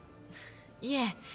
いえ。